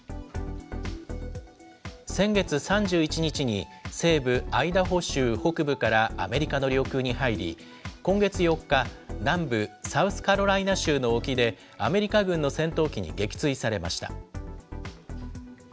先月３１日に、西部アイダホ州北部からアメリカの領空に入り、今月４日、南部サウスカロライナ州の沖でアメリカ軍の戦闘機に撃墜されました。